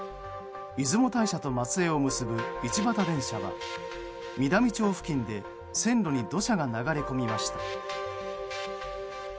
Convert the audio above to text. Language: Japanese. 出雲大社と松江を結ぶ一畑電車は美談町付近で線路に土砂が流れ込みました。